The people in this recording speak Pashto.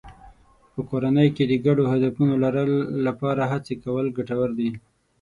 په کورنۍ کې د ګډو هدفونو لپاره هڅې کول ګټور دي.